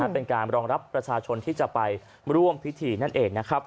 เพื่อรองรับประชาชนที่จะไปร่วมพิธีนั่นเอง